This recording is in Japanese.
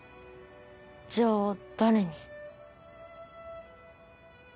じゃあ誰に？